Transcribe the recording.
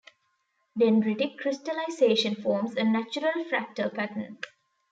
Dendritic crystallization forms a natural fractal pattern.